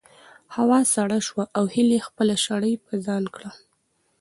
هوا سړه شوه او هیلې خپله شړۍ په ځان کړه.